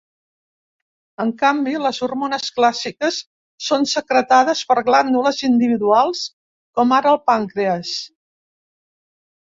En canvi, les hormones clàssiques són secretades per glàndules individuals, com ara el pàncrees.